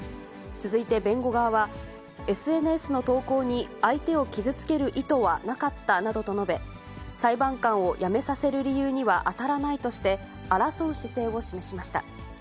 続いて弁護側は、ＳＮＳの投稿に相手を傷つける意図はなかったなどと述べ、裁判官を辞めさせる理由には当たらないとして、争う姿勢を示しました。